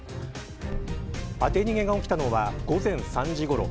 当て逃げが起きたのは午前３時ごろ。